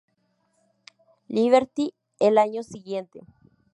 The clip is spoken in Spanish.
Liberty" el año siguiente.